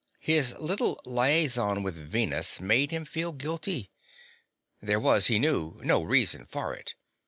His little liaison with Venus made him feel guilty. There was, he knew, no real reason for it.